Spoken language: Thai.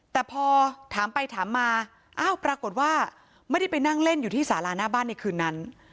แต่พอถามไปถามมาอ้าวปรากฏว่าไม่ได้ไปนั่งเล่นอยู่ที่สาราหน้าบ้านในคืนนั้น